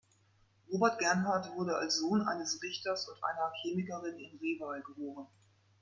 Robert Gernhardt wurde als Sohn eines Richters und einer Chemikerin in Reval geboren.